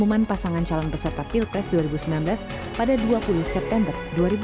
pengumuman pasangan calon peserta pilpres dua ribu sembilan belas pada dua puluh september dua ribu sembilan belas